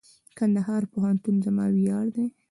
کندهار پوهنتون زما ویاړ دئ.